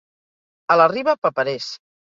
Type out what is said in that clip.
A la Riba, paperers.